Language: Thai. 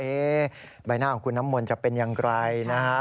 ใบหน้าของคุณน้ำมนต์จะเป็นอย่างไรนะฮะ